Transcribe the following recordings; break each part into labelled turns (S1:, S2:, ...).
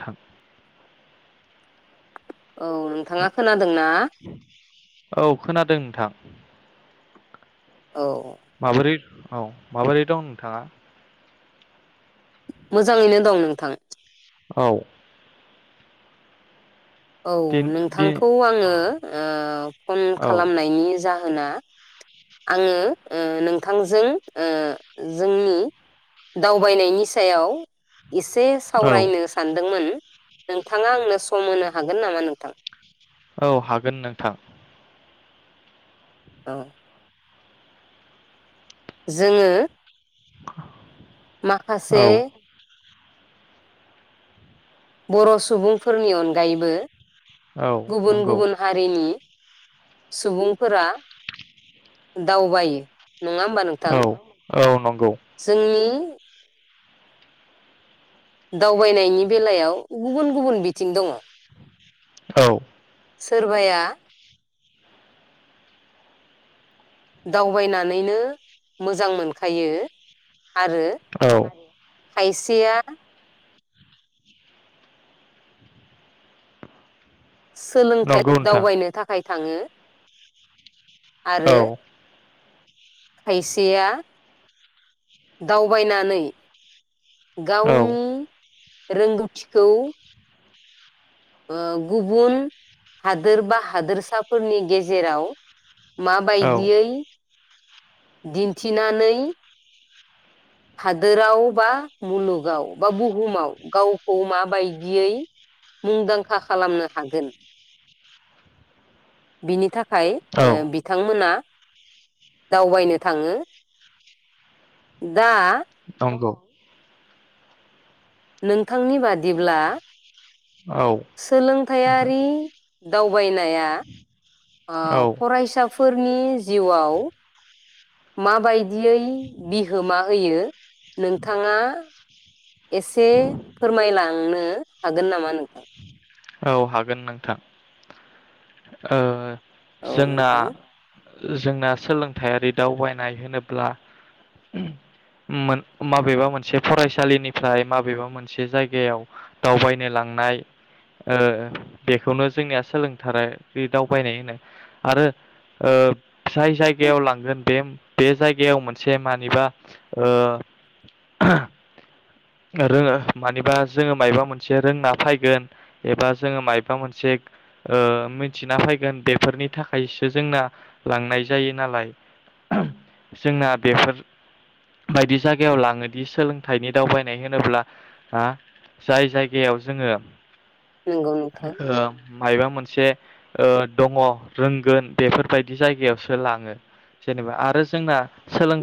S1: थां
S2: औ नोंथाङा खोनादों ना?
S1: औ खोनादों नोंथां।
S2: औ
S1: माबोरै औ माबोरै दं नोंथाङा?
S2: मोजाङैनो दं नोंथां।
S1: औ।
S2: औ
S1: दिन दि
S2: नोंथांखौ आङो ओ फन
S1: औ
S2: खालामनायनि जाहो होना आङो ओ नोंथांजों ओ जोंनि दावबायनायनि सायाव एसे
S1: औ
S2: सावरायनो सानदोंमोन। नोंथाङा आंनो सम होनो हागोन नामा नोंथां?
S1: औ हागोन नोंथां।
S2: औ। जोङो
S1: औ
S2: माखासे बर सुबुंफोरनि अनगायैबो
S1: औ
S2: गुबुन
S1: नंगौ
S2: गुबुन हारिनि सुबुंफोरा दावबायो। नङा होमबा नोंथां
S1: औ औ नंगौ
S2: जोंनि दावबायनायनि बेलायाव गुबुन गुबुन बिथिं दङ।
S1: औ
S2: सोरबाया दावबायनानैनो मोजां मोनखायो आरो
S1: औ
S2: खायसेया सोलोंथाइ
S1: नंगौ नोंथां
S2: दावबायनो थाखाय थाङो।
S1: औ
S2: आरो खायसेया दावबायनानै
S1: औ
S2: गावनि रोंगौथिखौ ओ गुबुन हादोर बा हादोरसाफोरनि गेजेराव
S1: औ
S2: माबायदियै दिन्थिनानै हादोराव बा मुलुगाव बा बुहुमाव गावखौ माबायदियै मुंदांखा खालामनो हागोन। बिनि थाखाय
S1: औ
S2: ओ बिथांमोना दावबायनो थाङो। दा
S1: नंगौ
S2: नोंथांनि बादिब्ला
S1: औ
S2: सोलोंथायारि दावबायनाया ओ
S1: औ
S2: फरायसाफोरनि जिउआव माबायदियै बिहोमा होयो नोंथाङा एसे फोरमायलांनो हागोन नामा नोंथां?
S1: औ हागोन नोंथां। ओ
S2: औ
S1: जोंना
S2: नोंथां
S1: जोंना सोलोंथायारि दावबायनाय होनोब्ला मोन माबेबा मोनसे फरायसालिनिफ्राय माबेबा मोनसे जायगायाव दावबायनो लांनाय ओ बेखौनो जोंनिया सोलोंथाराइरि दावबायनाय होनो। आरो ओ जाय जायगायाव लांगोन बे बे जायगायाव मोनसे मानिबा ओ रोङो मानिबा जोङो मायबा मोनसे रोंना फायगोन एबा जोङो मायबा मोनसे ओ मिथिना फैगोन बे फोरनि थाखायसो जोंना लांनाय जायो नालाय। जोंना बेफोर बायदि जायगायाव लाङोदि सोलोंथाइनि दावबायनाय होनोब्ला ओ जाय जायगायाव जोङो
S2: नंगौ नोंथां
S1: ओ मायबा मोनसे ओ दङ रोंगोन बेफोरबायदि जायगायावसो लाङो जेनेबा आरो जोंना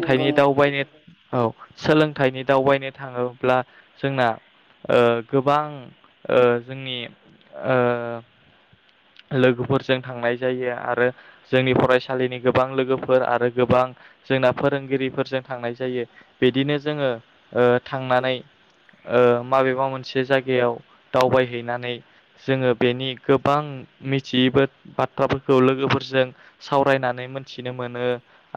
S2: नंगौ नोंथां
S1: दावबायनो औ सोलोंथाइनि दावबायनो थाङोब्ला जोंना ओ गोबां ओ जोंनि ओ लोगोफोरजों थांनाय जायो आरो जोंनि फरायसालिनि गोबां लोगोफोर आरो गोबां जोंना फोरोंगिरिफोरजों थांनाय जायो बिदिनो जोङो ओ थांनानै ओ माबेबा मोनसे जायगायाव दावबायहैनानै जोङो बेनि गोबां मिथियैबो बाथ्राफोरखौ लोगोफोरजों सावरायनानै मोनथिनो मोनो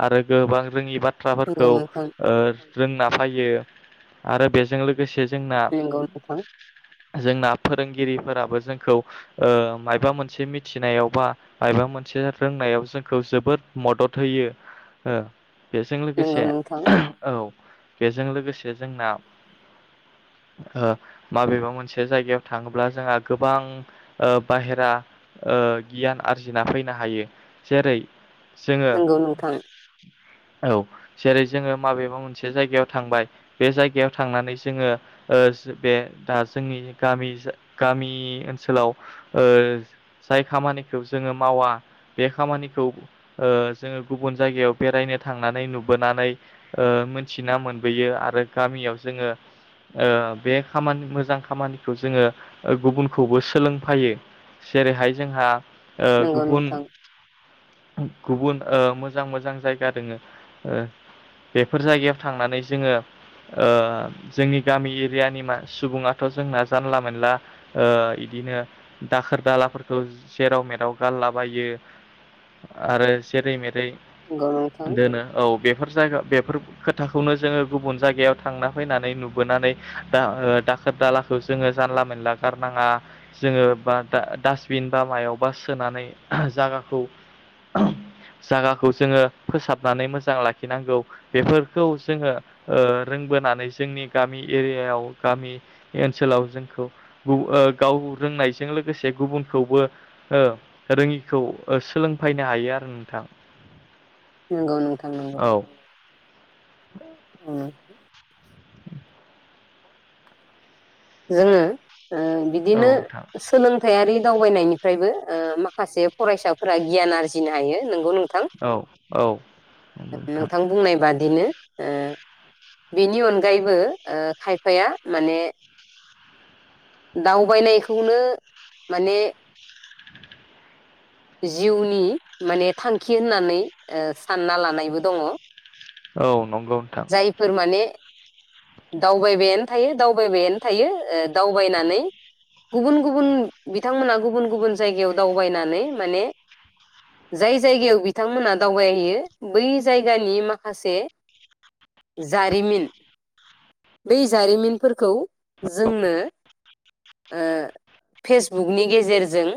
S1: आरो गोबां रोङि बा थ्राफोरखौ
S2: नंगौ नोंथां
S1: ओ रोंना फायो। आरो बेजों लोगोसे जोंना
S2: नंगौ
S1: जोंना फोरोंगिरि फोराबो जोंखौ ओ मायबा मोन से मिथिनायाव बा मायबा मोनसे रोंनायाव जोंखौ जोबोद मदद होयो ओ बेजों लोगोसे
S2: नोंथां
S1: औ बेजों लोगोसे जोंना ओ माबेबा मोनसे जायगायाव थाङोब्ला जोंहा गोबां ओ बाहेरा ओ गियान आरजिना फैनो हायो जेरै जोङो
S2: नंगौ नोंथां नंगौ नोंथां
S1: औ जेरै जोङो माबेबा मोनसे जायगायाव थांबाय बे जायगायाव थांनानै जोङो ओ जो बे दा जोंनि गामि गामि ओनसोलाव ओ जाय खामानिखौ जोङो मावा बे खामानिखौ ओ जोङो गुबुन जायगायाव बेरायनो थांनानै नुबोनानै ओ मिनथिना मोनबोयो आरो गामियाव जोङो ओ बे खामानि मोजां खामानिखौ जोङो गुबुनखौबो सोलोंफायो जेरैहाय जोंहा ओ
S2: नंगौ नोंथां
S1: गुबुन-गुबुन ओ मोजां मोजां जायगा दोङो ओ बेफोर जायगायाव थांनानै जोङो ओ जोंनि गामि एरियानि मा सुबुङाथ जोंना जानला मोनला ओ इदिनो दाखोर दाला फोरखौ जेराव मेराव गारलाबायो आरो जेरै मेरै
S2: नंगौ नोंथां
S1: दोनो औ बेफोर जायगा बे फोर खोथाखौनो जोङो गुबुन जायगायाव थांना फैनानै नुबोनानै दा दाखोर दालाखौ जोङो जानला मोनला गारनाङा जोङो बा दा दास बिन बा मायावबा सोनानै जागाखौ जागाखौ जोङो फोसाबनानै मोजां लाखिनांगौ बेफोरखौ जोङो ओ रोंबोनानै जोंनि गामि एरियायाव गामि ओनसोलाव जोंखौ गु गाव रोंनायजों लोगोसे गुबुन खौबो ओ रोङिखौ सोलोंफैनो हायो आरो नोंथां
S2: नंगौ नोंथां नंगौ
S1: बे
S2: [unintelligible] जोङो ओ बिदिनो सोलोंथायारि दावबायनायनिफ्रायबो ओ माखासे फरायसाफोरा गियान आरजिनो हायो नोंगौ नों थां
S1: औ
S2: नोंथां बुंनाय बादिनो ओ बेनि अनगायैबो ओ खायफाया माने दावबायनायखौनो माने
S1: [inaudible]
S2: जिउनि माने थांखि होननानै ओ सानना लानायबो दङ'
S1: औ नंगौ नोंथां
S2: जायफोर माने दावबायबायानो थायो दावबायबायानो थायो ओ दावबायनानै गुबुन गुबुन बिथांमोना गुबुन गुबुन जायगायाव दावबायनानै माने जाय जायगायाव बिथांमोना दावबायहैयो बै जायगानि माखासे जारिमिन बै जारिमिनफोरखौ जोंनो ओ फेसबुकनि गेजेरजों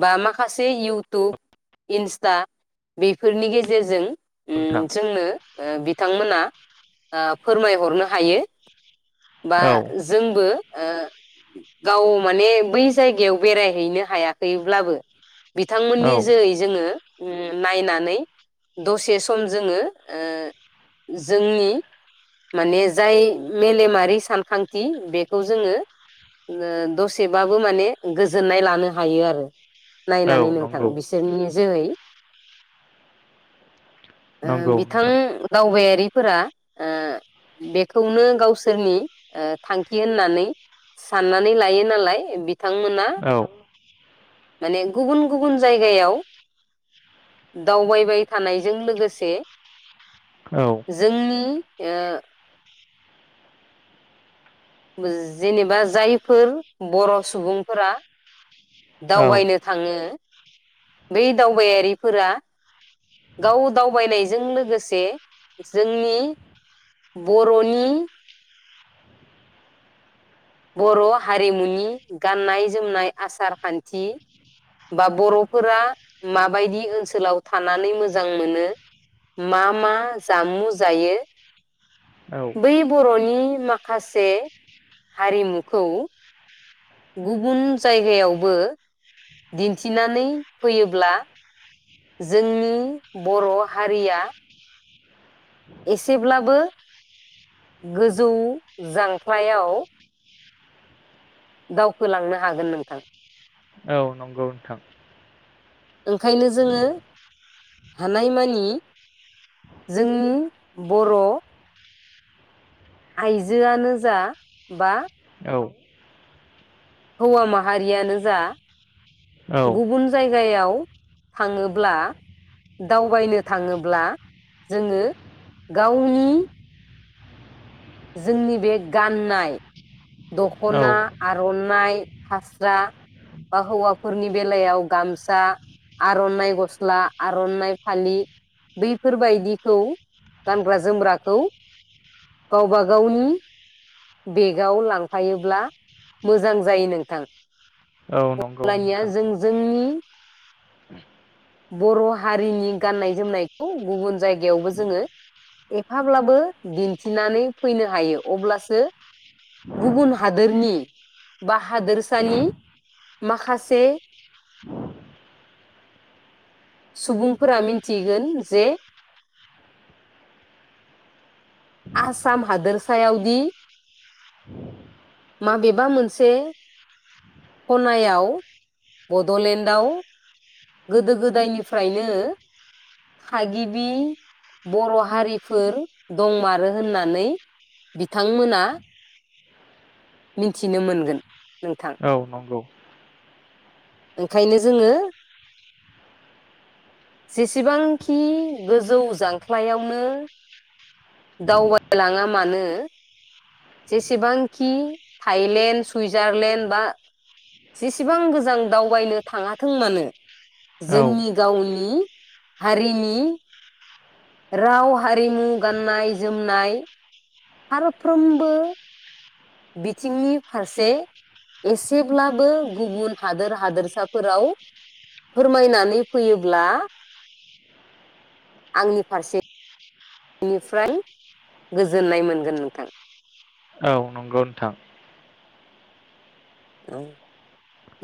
S2: बा माखासे इउटुब इन्स्टा बेफोरनि गेजेरजों ओ
S1: नोंथां
S2: जोंनो ओ बि बिथांमोना ओ फोरमायहरनो हायो । बा
S1: औ
S2: जोंबो ओ गाव माने बै जायगायाव बेरायहैनो हाया हैयोब्लाबो
S1: नंगौ नोंथां औ
S2: बिथांमोननि जैहै जोङो। नायनानै दसे सम जोङो ओ जोंनि माने जाय मेलेमारि सानखांथि बेखौ जोङो दसेबाबो माने गोजोननाय लानो हायो आरो। नायनानै
S1: औ
S2: नोंथां
S1: नंगौ
S2: बिसोरनि जोहै। ओह
S1: नंगौ
S2: बिथां
S1: नोंथां
S2: दावबायारि। फोरा ओ बेखौनो गावसोरनि थांखि ओ होननानै साननानै लायो नालाय बिथांमोना।
S1: औ
S2: बे गुबुन गुबुन जायगायाव दावबायबाय थानायजों लोगोसे
S1: औ
S2: जोंनि ओह जेनेबा जायफोर बर'सुबुंफोरा
S1: औ
S2: दावबायनो थाङो। बै दावबायारिफोरा गाव दावबायनायजों लोगोसे जोंनि बर'नि बर हारिमुनि गाननाय जोमनाय आसार खान्थि बा बरफोरा माबायदि ओनसोलाव थानानै मोजां मोनो मा मा जामु जायो
S1: औ
S2: बै बरनि माखासे हारिमुखौ गुबुन जायगायावबो दिन्थिनानै फैयोब्ला जोंनि बर' हारिया एसेब्लाबो गोजौ जांख्लायाव दावखोलांनो हागोन नोंथां।
S1: औ नंगौ नोंथां।
S2: ओंखायनो जोङो हानायमानि जोंनि बर' आइजोआनो जा बा
S1: औ
S2: हौवा माहारियानो जा
S1: औ
S2: गुबुन जाय जायगायाव थाङोब्ला दावबायनो थाङोब्ला जोङो गावनि जोंनि बे गाननाय दखना
S1: औ
S2: आरनाइ फास्रा बा हौवाफोरनि बेलायाव गामसा आरनाइ गस्ला आरनाइ फालि बैफोरबायदिखौ गानग्रा जोमग्राखौ गावबा गावनि बेगाव लांफायोब्ला मोजां जायो नोंथां
S1: औ नंगौ
S2: अब्लानिया
S1: नोंथां
S2: जों जोंनि बर' हारिनि गाननाय जोमनायखौ गुबुन जायगायावबो जोङो एफाब्लाबो दिन्थिनानै फैनो हायो अब्लासो गुबुन हादोरनि बा हादोरसानि माखासे सुबुंफोरा मिथिगोन जे आसाम हादोरसायावदि माबेबा मोनसे खनायाव बडलेण्डआव गोदो गोदायनिफ्रायनो थागिबि बर' हारिफोर दंमोन आरो होननानै बिथांमोना मिथिनो मोनगोन। नोंथां
S1: औ नंगौ।
S2: ओंखायनो जोङो जेसेबांखि गोजौ जांख्लायावनो दावबायलाङा मानो जेसेबांखि थाइलेण्ड सुइजारलेण्ड बा जेसेबां गोजां दावबायनो थाङाथों मानो।
S1: औ
S2: जोंनि गावनि हारिनि राव हारिमु। गाननाय जोमनाय फारफ्रोमबो बिथिंनि फारसे एसेब्लाबो गुबुन हादोर हादोरसाफोराव फोरमायनानै फैयोब्ला आंनि फारसे बेनिफ्राय गोजोननाय मोनगोन नोंथां
S1: औ नंगौ नोंथां।
S2: औ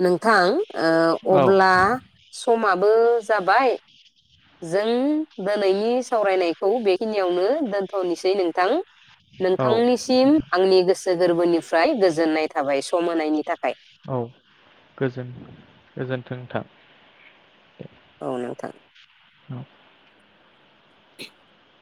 S2: नोंथां। ओ
S1: औ।
S2: अब्ला समाबो जाबाय जों दोनैनि सावरायनायखौ बेखिनियावनो दोन्थनोसै नोंथां
S1: औ
S2: नोंथांनिसिम आंनि गोसो गोर्बोनिफ्राय गोजोन्नाय थाबाय सम होनायनि थाखाय।
S1: गोजोन-गोजोन्थों नोंथां।
S2: औ नोंथां।
S1: औ।
S2: [inaudible]